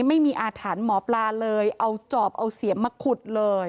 ไม่มีอาถรรพ์หมอปลาเลยเอาจอบเอาเสียมมาขุดเลย